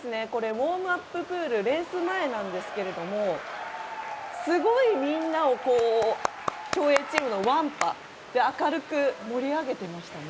ウォームアッププールレース前なんですけどもすごいみんなを競泳チームのワンパで明るく盛り上げていましたね。